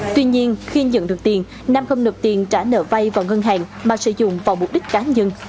tuy nhiên khi nhận được tiền nam không nộp tiền trả nợ vay vào ngân hàng mà sử dụng vào mục đích cá nhân